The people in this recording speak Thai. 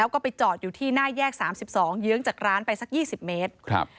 แล้วก็ไปจอดอยู่ที่หน้าแยก๓๒เยื้องจากร้านไปสัก๒๐เมตรครับ